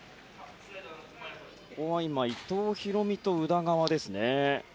ここは伊藤大海と宇田川ですね。